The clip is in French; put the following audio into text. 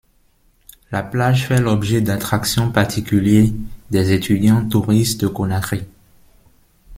La plage fait l'objet d'attraction particulier des étudiants, touristes de conakry.